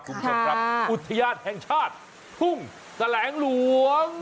คุณผู้ชมครับอุทยานแห่งชาติทุ่งแสลงหลวง